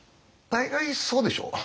大概そうでしょう。